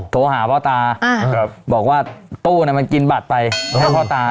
โทรหาพ่อตาบอกว่าตู้มันกินบัตรไปให้พ่อตา